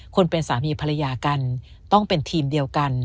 คนเป็นสามีภรรยากันต้องเป็นทีมเดียวกัน